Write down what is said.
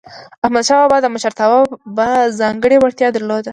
احمدشاه بابا د مشرتابه ځانګړی وړتیا درلودله.